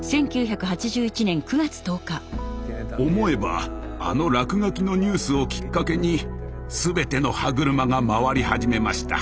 思えばあの落書きのニュースをきっかけに全ての歯車が回り始めました。